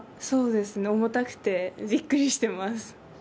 そうですね重たくてびっくりしています。